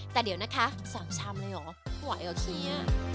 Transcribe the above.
แต่เดี๋ยวนะคะ๓ชามเลยเหรอไหวอ่ะคิว